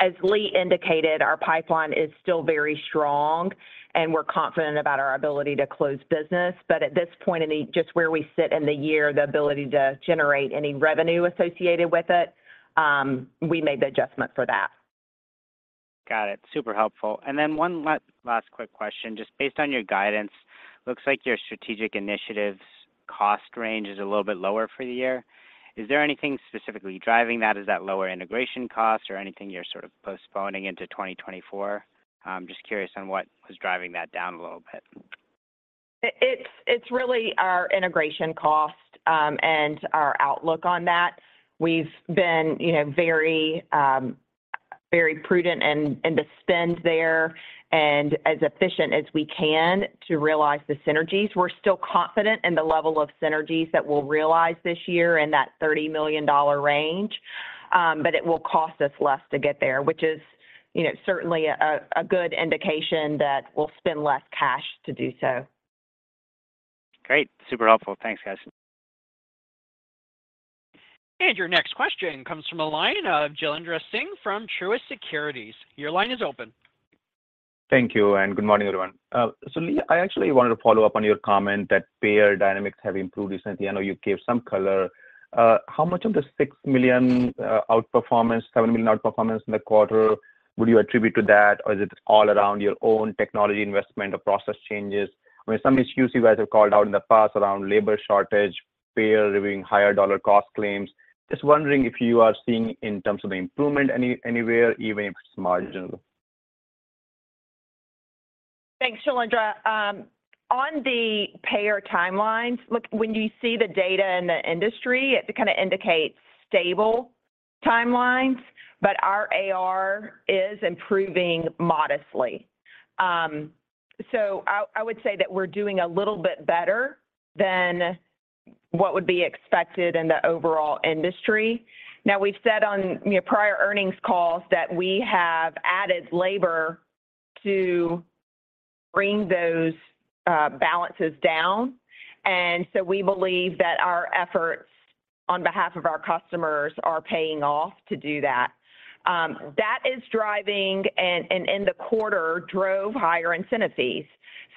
As Lee indicated, our pipeline is still very strong, and we're confident about our ability to close business, but at this point, just where we sit in the year, the ability to generate any revenue associated with it, we made the adjustment for that.
Got it. Super helpful. One last quick question. Just based on your guidance, looks like your strategic initiatives cost range is a little bit lower for the year. Is there anything specifically driving that? Is that lower integration cost or anything you're sort of postponing into 2024? I'm just curious on what is driving that down a little bit.
It's, it's really our integration cost and our outlook on that. We've been, you know, very, very prudent in the spend there and as efficient as we can to realize the synergies. We're still confident in the level of synergies that we'll realize this year in that $30 million range, but it will cost us less to get there, which is, you know, certainly a good indication that we'll spend less cash to do so.
Great. Super helpful. Thanks, guys.
Your next question comes from a line of Jailendra Singh from Truist Securities. Your line is open.
Thank you. Good morning, everyone. Lee, I actually wanted to follow up on your comment that payer dynamics have improved recently. I know you gave some color. How much of the $6 million outperformance, $7 million outperformance in the quarter would you attribute to that, or is it all around your own technology investment or process changes? I mean, some issues you guys have called out in the past around labor shortage, payer reviewing higher dollar cost claims. Just wondering if you are seeing in terms of the improvement anywhere, even if it's marginal?
Thanks, Jailendra. On the payer timelines, look, when you see the data in the industry, it kind of indicates stable timelines, but our AR is improving modestly. I, I would say that we're doing a little bit better than what would be expected in the overall industry. We've said on, you know, prior earnings calls that we have added labor to bring those balances down, and so we believe that our efforts on behalf of our customers are paying off to do that. That is driving, and, and in the quarter, drove higher incentive fees.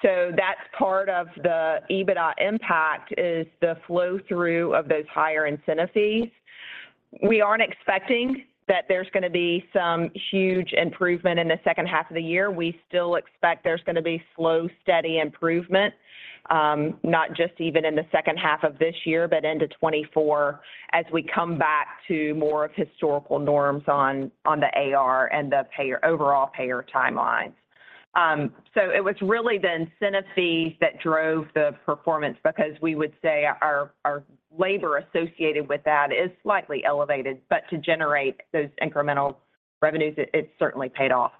That's part of the EBITDA impact, is the flow-through of those higher incentive fees. We aren't expecting that there's gonna be some huge improvement in the second half of the year. We still expect there's gonna be slow, steady improvement, not just even in the second half of this year, but into 2024 as we come back to more of historical norms on, on the AR and the payer, overall payer timelines. It was really the incentive fees that drove the performance because we would say our, our labor associated with that is slightly elevated, but to generate those incremental revenues, it, it certainly paid off.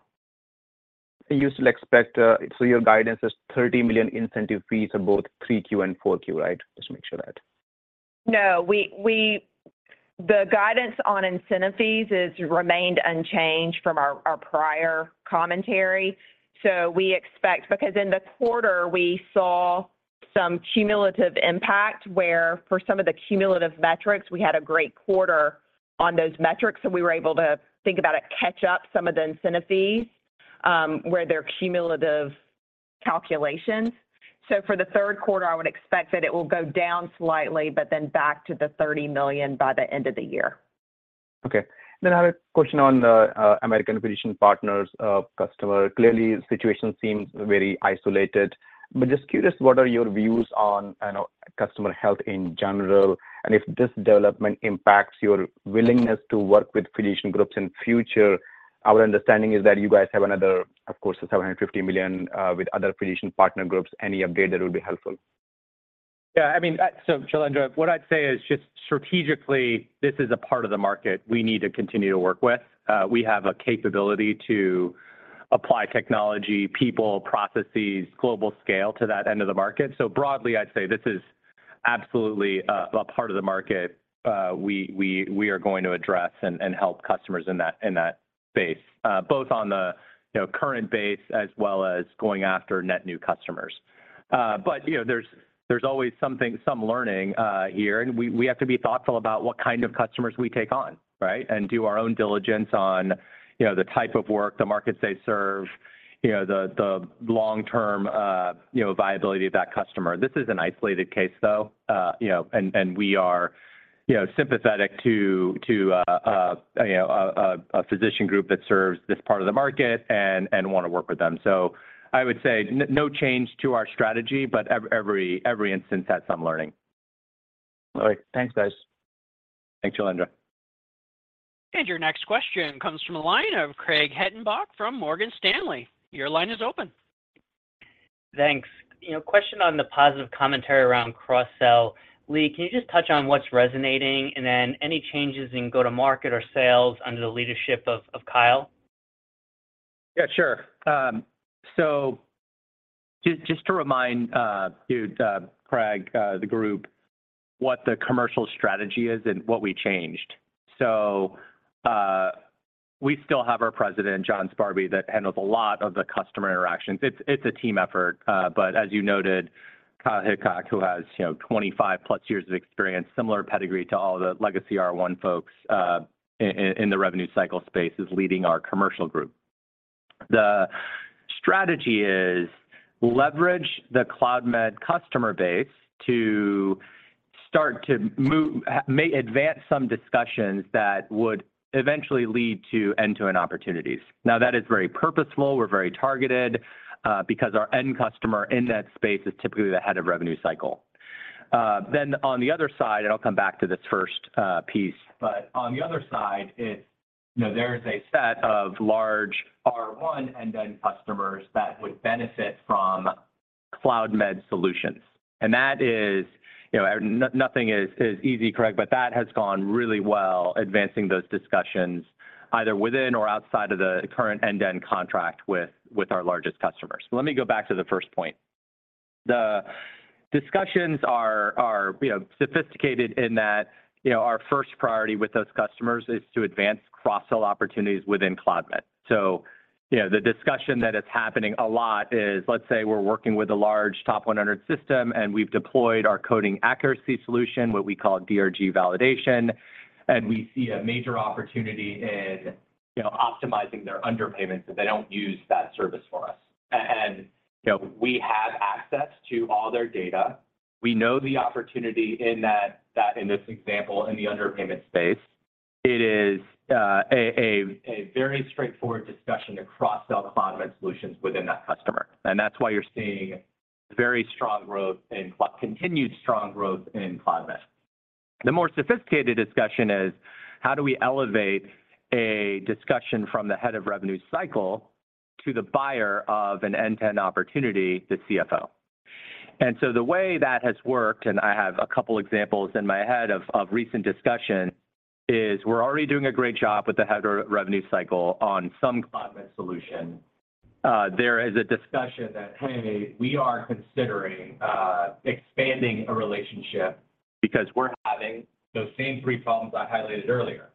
You still expect your guidance is $30 million incentive fees for both 3Q and 4Q, right? Just to make sure that.
No, we, we the guidance on incentive fees has remained unchanged from our, our prior commentary, so we expect- because in the quarter, we saw some cumulative impact where for some of the cumulative metrics, we had a great quarter on those metrics. We were able to think about it, catch up some of the incentive fees, where they're cumulative calculations. For the third quarter, I would expect that it will go down slightly, but then back to the $30 million by the end of the year.
I have a question on the American Physician Partners customer. Clearly, the situation seems very isolated, but just curious, what are your views on, you know, customer health in general, and if this development impacts your willingness to work with physician groups in future? Our understanding is that you guys have another, of course, $750 million with other physician partner groups. Any update that would be helpful?
Yeah, I mean, so Jailendra, what I'd say is just strategically, this is a part of the market we need to continue to work with. We have a capability to apply technology, people, processes, global scale to that end of the market. Broadly, I'd say this is absolutely a, a part of the market, we, we, we are going to address and, and help customers in that, in that space, both on the, you know, current base as well as going after net new customers. But, you know, there's, there's always something, some learning here, and we, we have to be thoughtful about what kind of customers we take on, right? And do our own diligence on, you know, the type of work, the markets they serve, you know, the, the long-term, you know, viability of that customer. This is an isolated case, though, you know, and, and we are, you know, sympathetic to, to, you know, a, a, a physician group that serves this part of the market and, and want to work with them. I would say no change to our strategy, but every, every instance has some learning.
All right. Thanks, guys.
Thanks, Jailendra.
Your next question comes from the line of Craig Hettenbach from Morgan Stanley. Your line is open.
Thanks. You know, question on the positive commentary around cross-sell. Lee, can you just touch on what's resonating, and then any changes in go-to-market or sales under the leadership of, of Kyle?
Yeah, sure. Just to remind you, Craig, the group, what the commercial strategy is and what we changed. We still have our president, John Sparby, that handles a lot of the customer interactions. It's, it's a team effort, but as you noted, Kyle Hicok, who has, you know, 25+ years of experience, similar pedigree to all the legacy R1 folks in the revenue cycle space, is leading our commercial group. The strategy is leverage the Cloudmed customer base to start to may advance some discussions that would eventually lead to end-to-end opportunities. That is very purposeful. We're very targeted because our end customer in that space is typically the head of revenue cycle. On the other side, and I'll come back to this first piece, but on the other side, it's, you know, there is a set of large R1 and end customers that would benefit from Cloudmed solutions. That is, you know, nothing is easy, Craig, but that has gone really well, advancing those discussions either within or outside of the current end-to-end contract with our largest customers. Let me go back to the first point. The discussions are, you know, sophisticated in that, you know, our first priority with those customers is to advance cross-sell opportunities within Cloudmed. You know, the discussion that is happening a lot is, let's say we're working with a large top 100 system, and we've deployed our coding accuracy solution, what we call DRG Validation, and we see a major opportunity in, you know, optimizing their underpayments if they don't use that service for us. You know, we have access to all their data. We know the opportunity in that, that in this example, in the underpayment space, it is a very straightforward discussion across sell Cloudmed solutions within that customer. That's why you're seeing very strong growth in continued strong growth in Cloudmed. The more sophisticated discussion is: How do we elevate a discussion from the head of revenue cycle to the buyer of an end-to-end opportunity, the CFO? The way that has worked, and I have a couple examples in my head of, of recent discussion, is we're already doing a great job with the head of revenue cycle on some Cloudmed solution. There is a discussion that, "Hey, we are considering expanding a relationship because we're having those same three problems I highlighted earlier,"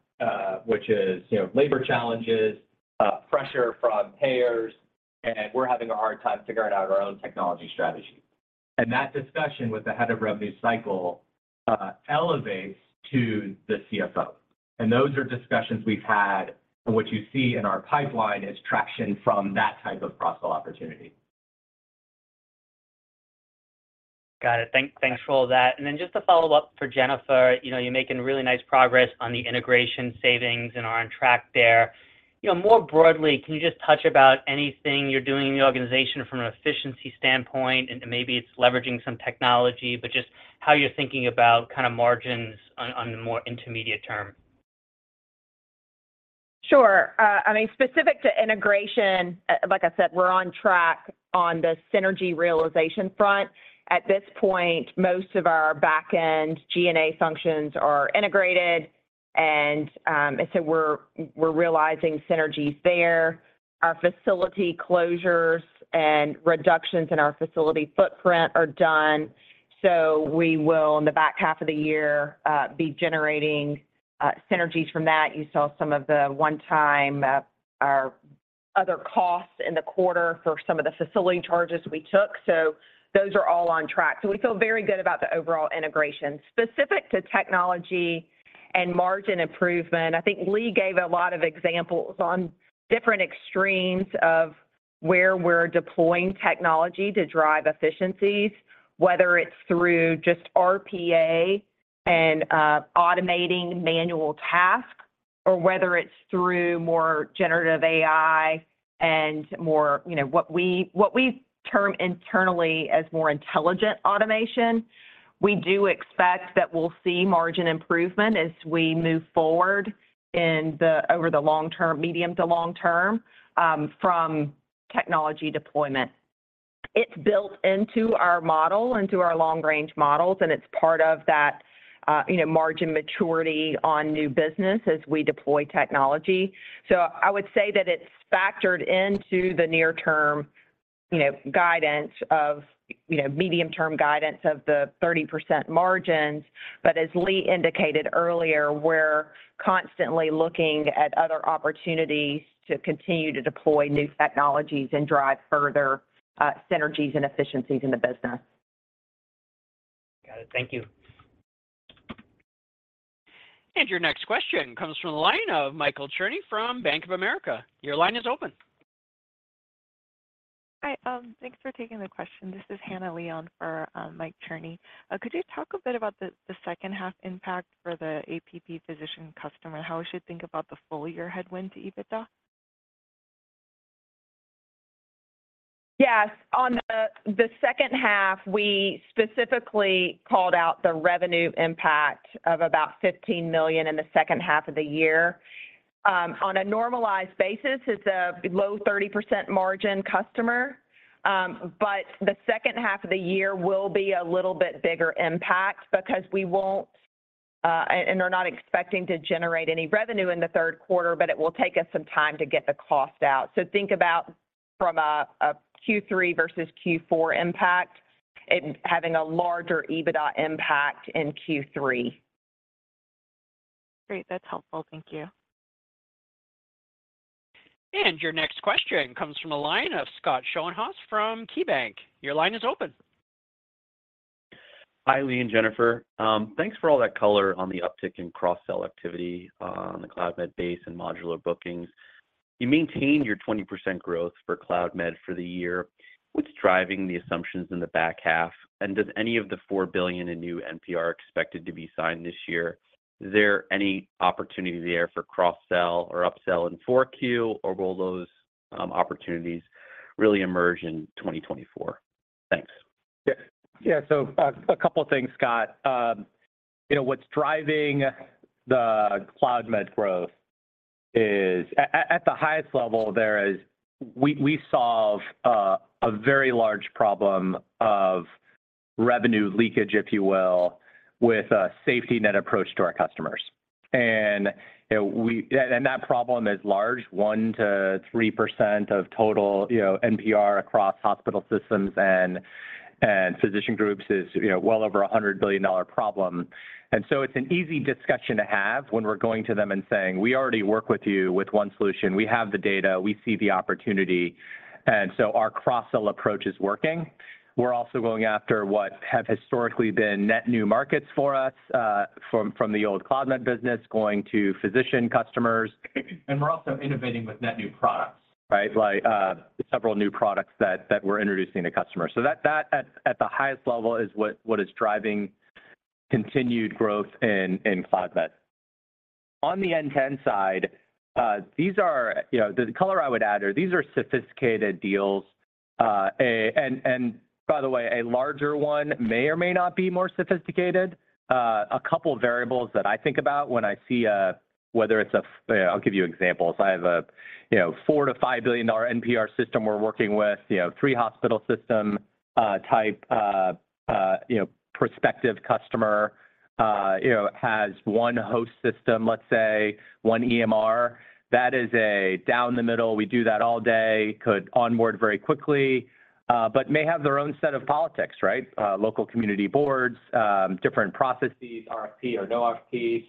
which is, you know, labor challenges, pressure from payers, and we're having a hard time figuring out our own technology strategy. That discussion with the head of revenue cycle elevates to the CFO, and those are discussions we've had, and what you see in our pipeline is traction from that type of cross-sell opportunity.
Got it. Thank, thanks for all that. Then just a follow-up for Jennifer. You know, you're making really nice progress on the integration savings and are on track there. You know, more broadly, can you just touch about anything you're doing in the organization from an efficiency standpoint? Maybe it's leveraging some technology, but just how you're thinking about kind of margins on, on the more intermediate term.
Sure. I mean, specific to integration, like I said, we're on track on the synergy realization front. At this point, most of our back-end G&A functions are integrated, and, so we're, we're realizing synergies there. Our facility closures and reductions in our facility footprint are done, so we will, in the back half of the year, be generating, synergies from that. You saw some of the one-time, our other costs in the quarter for some of the facility charges we took. Those are all on track. We feel very good about the overall integration. Specific to technology and margin improvement, I think Lee gave a lot of examples on different extremes of where we're deploying technology to drive efficiencies, whether it's through just RPA and automating manual tasks, or whether it's through more generative AI and more, you know, what we, what we term internally as more intelligent automation. We do expect that we'll see margin improvement as we move forward over the long term, medium to long term, from technology deployment. It's built into our model, into our long-range models, and it's part of that, you know, margin maturity on new business as we deploy technology. I would say that it's factored into the near-term, you know, guidance of, you know, medium-term guidance of the 30% margins. As Lee indicated earlier, we're constantly looking at other opportunities to continue to deploy new technologies and drive further synergies and efficiencies in the business.
Got it. Thank you.
Your next question comes from the line of Michael Cherny from Bank of America. Your line is open.
Hi. Thanks for taking the question. This is Hanna Lee for Mike Cherny. Could you talk a bit about the second half impact for the APP physician customer? How we should think about the full year headwind to EBITDA?
Yes. On the, the second half, we specifically called out the revenue impact of about $15 million in the second half of the year. On a normalized basis, it's a low 30% margin customer, but the second half of the year will be a little bit bigger impact because we won't, and they're not expecting to generate any revenue in the 3rd quarter, but it will take us some time to get the cost out. Think about from a, a Q3 versus Q4 impact, and having a larger EBITDA impact in Q3.
Great. That's helpful. Thank you.
Your next question comes from the line of Scott Schoenhaus from KeyBanc. Your line is open.
Hi, Lee and Jennifer. Thanks for all that color on the uptick in cross-sell activity, on the Cloudmed base and modular bookings. You maintained your 20% growth for Cloudmed for the year. What's driving the assumptions in the back half? Does any of the $4 billion in new NPR expected to be signed this year, is there any opportunity there for cross-sell or upsell in 4Q, or will those opportunities really emerge in 2024? Thanks.
Yeah. Yeah, so, a couple of things, Scott. You know, what's driving the Cloudmed growth is, at the highest level, we, we solve a very large problem of revenue leakage, if you will, with a safety net approach to our customers. You know, that problem is large, 1%-3% of total, you know, NPR across hospital systems and physician groups is, you know, well over a $100 billion problem. It's an easy discussion to have when we're going to them and saying: "We already work with you with one solution. We have the data, we see the opportunity." Our cross-sell approach is working. We're also going after what have historically been net new markets for us, from, from the old Cloudmed business, going to physician customers. We're also innovating with net new products, right? Like, several new products that, that we're introducing to customers. That, that at, at the highest level is what, what is driving continued growth in, in Cloudmed. On the end-to-end side, these are, you know, the color I would add are these are sophisticated deals. And, and by the way, a larger one may or may not be more sophisticated. A couple variables that I think about when I see a, whether it's I'll give you examples. I have a, you know, $4 billion-$5 billion NPR system we're working with, you know, 3 hospital system type, you know, prospective customer, you know, has 1 host system, let's say 1 EMR. That is a down the middle, we do that all day, could onboard very quickly, but may have their own set of politics, right? Local community boards, different processes, RFP or no RFP.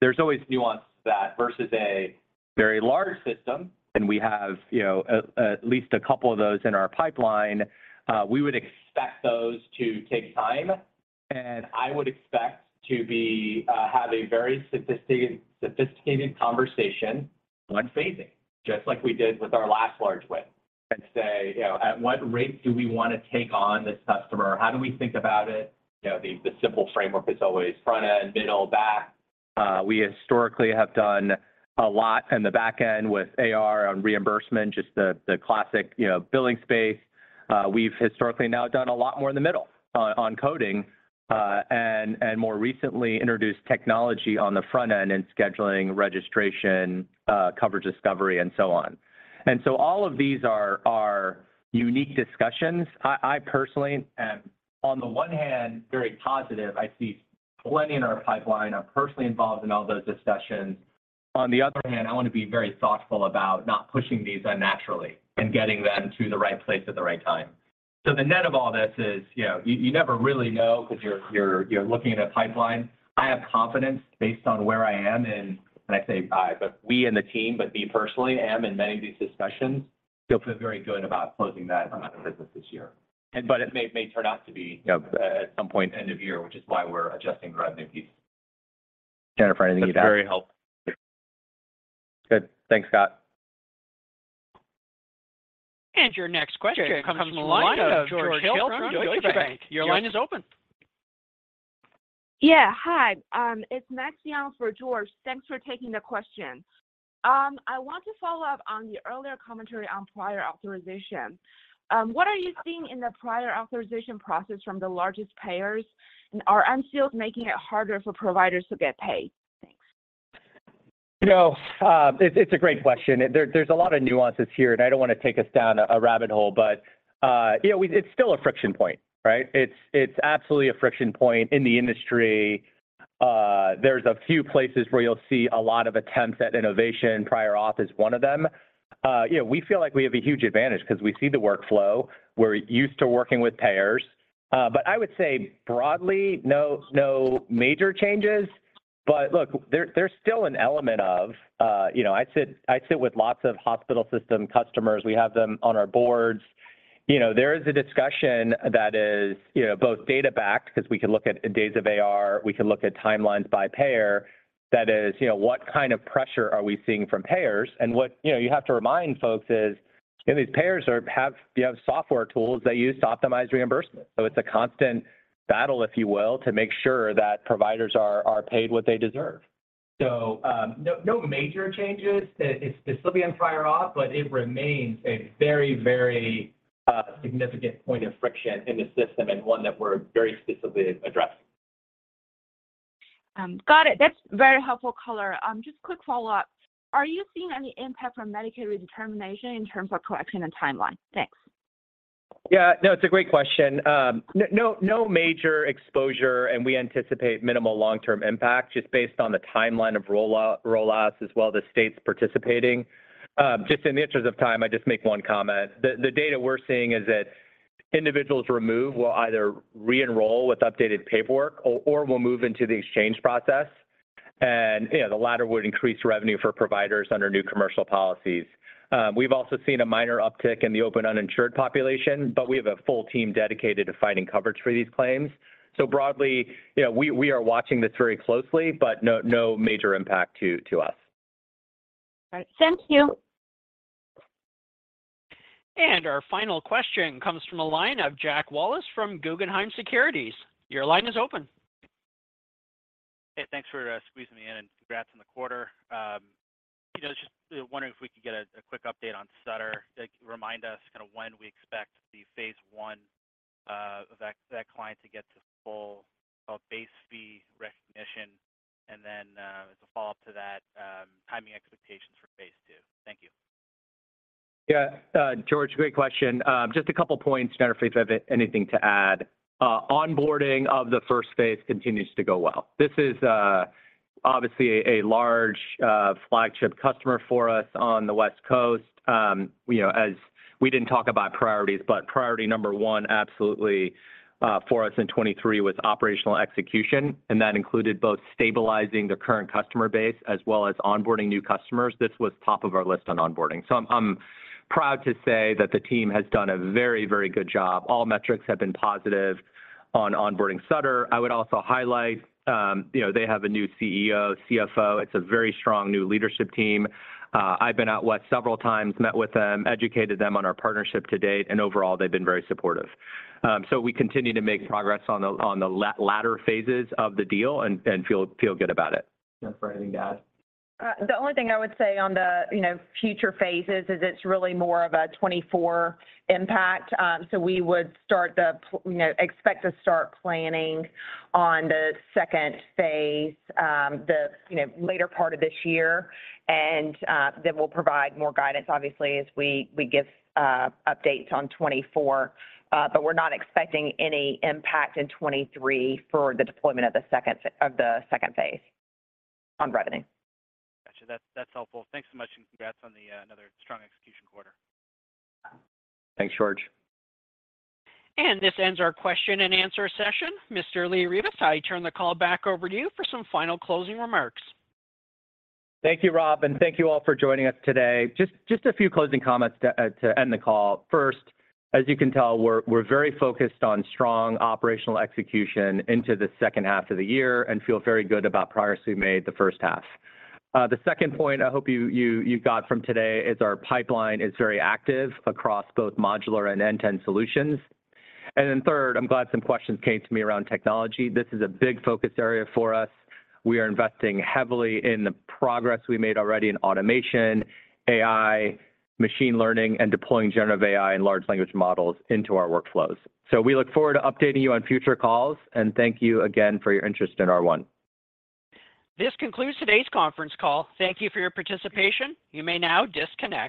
There's always nuance that versus a very large system, and we have, you know, at, at least a couple of those in our pipeline. We would expect those to take time, and I would expect to be, have a very sophisticated conversation on phasing, just like we did with our last large win. Say, "You know, at what rate do we wanna take on this customer? How do we think about it?" You know, the, the simple framework is always front end, middle, back. We historically have done a lot on the back end with AR on reimbursement, just the, the classic, you know, billing space. We've historically now done a lot more in the middle, on coding, and more recently introduced technology on the front end in scheduling, registration, coverage discovery, and so on. All of these are, are unique discussions. I, I personally am, on the one hand, very positive. I see plenty in our pipeline. I'm personally involved in all those discussions. On the other hand, I wanna be very thoughtful about not pushing these unnaturally and getting them to the right place at the right time. The net of all this is, you know, you, you never really know 'cause you're, you're, you're looking at a pipeline. I have confidence based on where I am, and when I say I, but we and the team, but me personally am in many of these discussions, feel very good about closing that amount of business this year. It may, may turn out to be, you know, at some point, end of year, which is why we're adjusting the revenue piece. Jennifer, anything to add?
That's very helpful.
Good. Thanks, Scott.
Your next question comes from the line of George Hill from Deutsche Bank. Your line is open.
Yeah, hi. It's Max Jeong for George. Thanks for taking the question. I want to follow up on your earlier commentary on prior authorization. What are you seeing in the prior authorization process from the largest payers, and are unsealed making it harder for providers to get paid? Thanks.
You know, it's, it's a great question, and there, there's a lot of nuances here, and I don't wanna take us down a, a rabbit hole, you know, it's still a friction point, right? It's, it's absolutely a friction point in the industry. There's a few places where you'll see a lot of attempts at innovation, prior auth is one of them. You know, we feel like we have a huge advantage 'cause we see the workflow. We're used to working with payers. I would say broadly, no, no major changes. Look, there, there's still an element of, you know, I sit, I sit with lots of hospital system customers. We have them on our boards. You know, there is a discussion that is, you know, both data-backed, 'cause we can look at days of AR, we can look at timelines by payer. That is, you know, what kind of pressure are we seeing from payers? You know, you have to remind folks is, you know, these payers, they have software tools they use to optimize reimbursement. It's a constant battle, if you will, to make sure that providers are paid what they deserve. No, no major changes. It's still being prior auth, but it remains a very, very significant point of friction in the system and one that we're very specifically addressing.
Got it. That's very helpful color. Just quick follow-up. Are you seeing any impact from Medicaid redetermination in terms of collection and timeline? Thanks.
Yeah, no, it's a great question. No, no, no major exposure, and we anticipate minimal long-term impact just based on the timeline of rollouts, as well as the states participating. Just in the interest of time, I just make one comment. The, the data we're seeing is that individuals removed will either re-enroll with updated paperwork or, or will move into the exchange process, you know, the latter would increase revenue for providers under new commercial policies. We've also seen a minor uptick in the open uninsured population, but we have a full team dedicated to finding coverage for these claims. Broadly, you know, we, we are watching this very closely, but no, no major impact to, to us.
All right. Thank you.
Our final question comes from a line of Jack Wallace from Guggenheim Securities. Your line is open.
Hey, thanks for squeezing me in, and congrats on the quarter. You know, just wondering if we could get a quick update on Sutter. Like, remind us kind of when we expect the phase one of that, that client to get to full base fee recognition. Then, as a follow-up to that, timing expectations for phase two. Thank you.
Yeah, George, great question. Just a couple points. Jennifer, if you have anything to add. Onboarding of the first phase continues to go well. This is obviously a large flagship customer for us on the West Coast. You know, as we didn't talk about priorities, but priority number one absolutely for us in 2023 was operational execution, and that included both stabilizing the current customer base as well as onboarding new customers. This was top of our list on onboarding. I'm proud to say that the team has done a very, very good job. All metrics have been positive on onboarding Sutter. I would also highlight, you know, they have a new CEO, CFO. It's a very strong new leadership team. I've been out West several times, met with them, educated them on our partnership to date, and overall, they've been very supportive. We continue to make progress on the, on the latter phases of the deal and, and feel, feel good about it. Jennifer, anything to add?
The only thing I would say on the, you know, future phases is it's really more of a 2024 impact. You know, expect to start planning on the second phase, the, you know, later part of this year. Then we'll provide more guidance, obviously, as we, we give, updates on 2024. We're not expecting any impact in 2023 for the deployment of the second, of the second phase on revenue.
Gotcha. That's, that's helpful. Thanks so much, and congrats on the another strong execution quarter.
Thanks, George.
This ends our question and answer session. Mr. Lee Rivas, I turn the call back over to you for some final closing remarks.
Thank you, Rob, and thank you all for joining us today. Just, just a few closing comments to end the call. First, as you can tell, we're, we're very focused on strong operational execution into the second half of the year and feel very good about progress we made the first half. The second point I hope you, you, you got from today is our pipeline is very active across both modular and end-to-end solutions. And then third, I'm glad some questions came to me around technology. This is a big focus area for us. We are investing heavily in the progress we made already in automation, AI, machine learning, and deploying generative AI and large language models into our workflows. We look forward to updating you on future calls, and thank you again for your interest in R1.
This concludes today's conference call. Thank you for your participation. You may now disconnect.